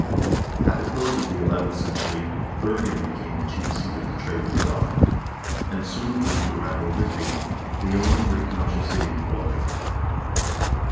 2 At the close of the eleventh century Bergen became the chief seat of the trade with Gothland, and soon grew to rival Wisby, the only great commercial city in the Baltic.